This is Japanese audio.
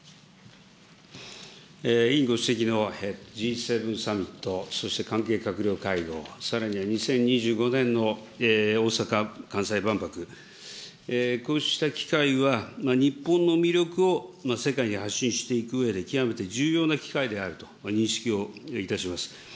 委員ご指摘のＧ７サミット、そして関係閣僚会合、さらには２０２５年の大阪・関西万博、こうした機会は日本の魅力を世界に発信していくうえで、極めて重要な機会であると認識をいたします。